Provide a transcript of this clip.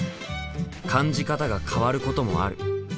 感じ方が変わることもある。